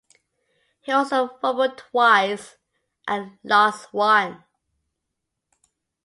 He also fumbled twice and lost one.